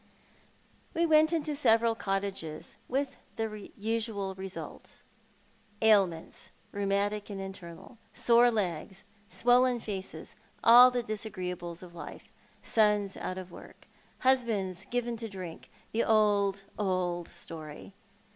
We went into several cottages, with the usual result. Ailments, rheumatic and internal, sore legs, swollen faces, all the disagree ables of life— sons out of work, husbands given to drink — the old, old story.